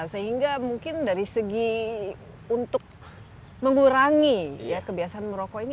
sehingga mungkin dari segi untuk mengurangi kebiasaan merokok ini